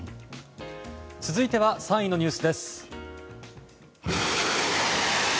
続いては３位のニュースです。